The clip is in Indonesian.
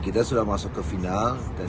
kita sudah masuk ke final dan